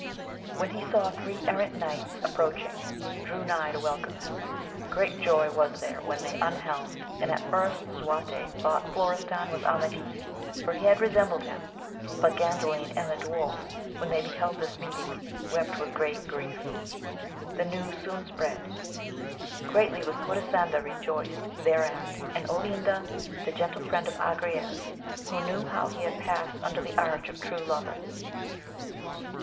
When he saw three errant knights ap proaching, he drew nigh to welcome them. Great joy was there when they unhelmed, and at first Lisuarte thought Florestan was Amadis, for he much resembled him ; but Gandalin and the dwarf, when they beheld this meeting, wept with great grief. The news soon spread : greatly was Corisanda rejoiced thereat, and Olinda, the gentle friend of Agrayes, who knew how he had passed under the arch of true lovers.